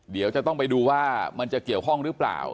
เดี๋ยวจะต้องไปดูว่ามันจะเกี่ยวข้องหรือเปล่า